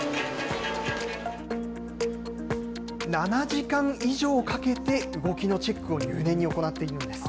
７時間以上かけて動きのチェックを入念に行っているんです。